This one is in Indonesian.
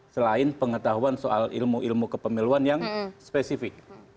selain pengetahuan soal ilmu ilmu kepemiluan yang spesifik